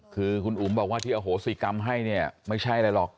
คือคุณอุ๋มบอกว่าที่อโหสิกรรมให้เนี่ยไม่ใช่อะไรหรอก